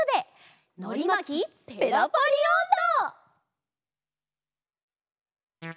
「のりまきペラパリおんど」！